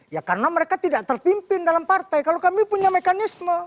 ya karena mereka tidak terpimpin dalam partai kalau kami punya mekanisme